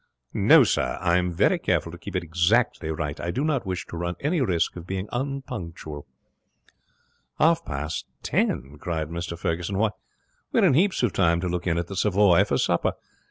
'No, sir, I am very careful to keep it exactly right. I do not wish to run any risk of being unpunctual.' 'Half past ten!' cried Mr Ferguson. 'Why, we're in heaps of time to look in at the Savoy for supper.